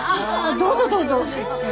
どうぞどうぞ。